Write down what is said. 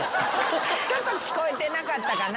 ちょっと聞こえてなかったかな？